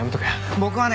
僕はね